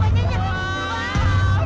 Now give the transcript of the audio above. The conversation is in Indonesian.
bajanya kesayangan mbak tenggelam